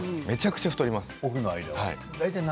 めちゃくちゃ太ります。